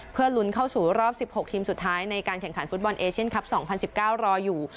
เพื่อลุ้นเข้าสู่รอบ๑๖ทีมสุดท้ายในการแข่งขันฟุตบอลเอเชียนคลับ๒๐๑๙รออยู่